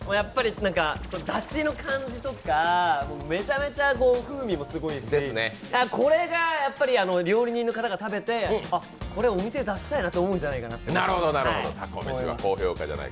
だしの感じとか、めちゃめちゃ風味もすごいし、これが料理人の方が食べて、あ、これお店で出したいって思うんじゃないかなと。